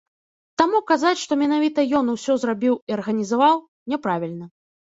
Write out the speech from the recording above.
Таму казаць, што менавіта ён усё зрабіў і арганізаваў, няправільна.